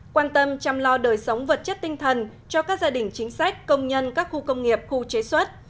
quan tâm chăm lo đời sống vật chất tinh thần cho các gia đình chính sách công nhân các khu công nghiệp khu chế xuất